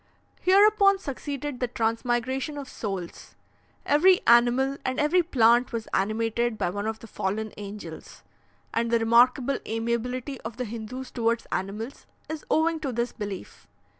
Hereupon succeeded the transmigration of souls; every animal and every plant was animated by one of the fallen angels, and the remarkable amiability of the Hindoos towards animals is owing to this belief.